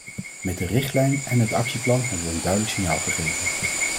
Met de richtlijn en het actieplan hebben we een duidelijk signaal gegeven.